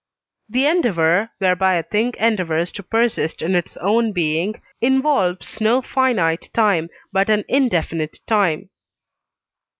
The endeavour, whereby a thing endeavours to persist in its own being, involves no finite time, but an indefinite time.